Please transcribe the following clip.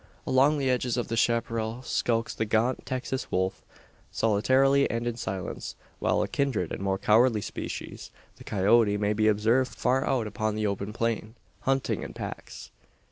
Along the edges of the chapparal skulks the gaunt Texan wolf solitarily and in silence; while a kindred and more cowardly species, the coyote, may be observed, far out upon the open plain, hunting in packs.